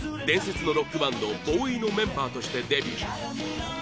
伝説のロックバンドＢＯＯＷＹのメンバーとしてデビュー